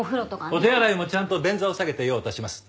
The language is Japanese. お手洗いもちゃんと便座を下げて用を足します。